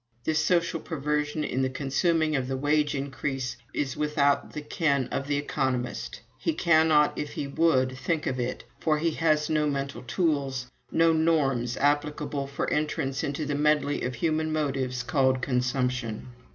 This social perversion in the consuming of the wage increase is without the ken of the economist. He cannot, if he would, think of it, for he has no mental tools, no norms applicable for entrance into the medley of human motives called consumption.